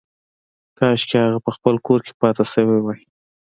کاشکې هغه په خپل کور کې پاتې شوې وای